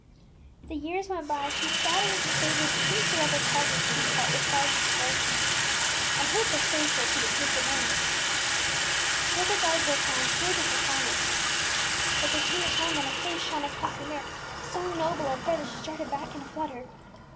The years went by, she scattering her favours to whomsoever called her sweetheart with vows of <&t)zet Mltabers devotion, and Hertha faithful to the page alone. Hildegarde worked on, true to her promise. But there came a time when a face shone across her mirror so noble and fair that she started back in a flutter.